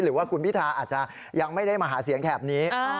หรือว่าคุณพิทาอาจจะยังไม่ได้มาหาเสียงแถบนี้